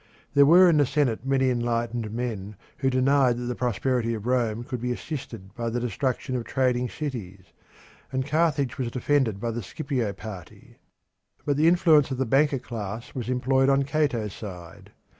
There were in the Senate many enlightened men who denied that the prosperity of Rome could be assisted by the destruction of trading cities, and Carthage was defended by the Scipio party. But the influence of the banker class was employed on Cato's side.